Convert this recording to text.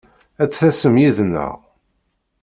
Ad d-tasem yid-neɣ!